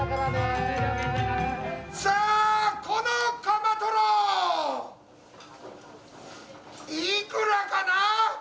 さあ、このカマトロ、いくらかな？